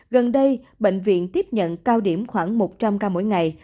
gần đây bệnh viện tiếp nhận cao điểm khoảng một trăm linh ca mỗi ngày